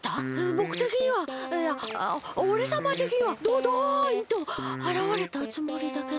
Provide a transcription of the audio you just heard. ぼくてきにはいやおれさまてきにはドドンとあらわれたつもりだけど。